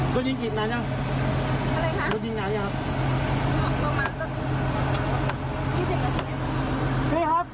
ก็ยิงอีกไหมอะไรตัวยิงหนาหน่อยครับ